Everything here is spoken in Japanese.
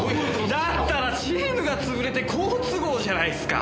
だったらチームが潰れて好都合じゃないっすか。